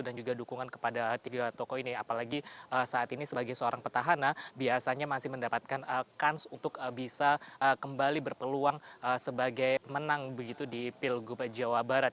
juga dukungan kepada tiga tokoh ini apalagi saat ini sebagai seorang petahana biasanya masih mendapatkan kans untuk bisa kembali berpeluang sebagai menang begitu di pilgub jawa barat